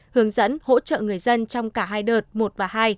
hướng dẫn hỗ trợ người dân trong cả hai đợt một và hai